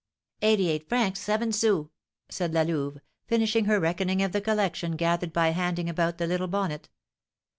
"Eighty eight francs seven sous!" said La Louve, finishing her reckoning of the collection gathered by handing about the little bonnet.